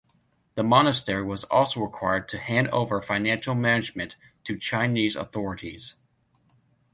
The monastery was also required to hand over financial management to Chinese authorities.